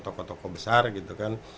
toko toko besar gitu kan